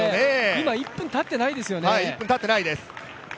今１分たっていないですよね。